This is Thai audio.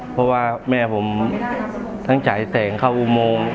เพราะว่าแม่ผมทั้งจ่ายแสงเข้าอุโมง